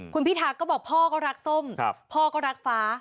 คุณพิทาก็บอกพ่อก็รักส้มพ่อก็รักฟ้า